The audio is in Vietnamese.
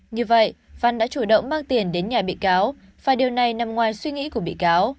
như vậy văn đã chủ động mang tiền đến nhà bị cáo và điều này nằm ngoài suy nghĩ của bị cáo